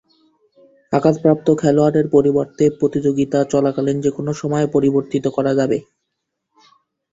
আঘাতপ্রাপ্ত খেলোয়াড়ের পরিবর্তে প্রতিযোগিতা চলাকালীন যে-কোন সময়ে পরিবর্তিত করা যাবে।